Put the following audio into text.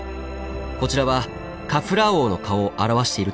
こちらはカフラー王の顔を表しているといわれています。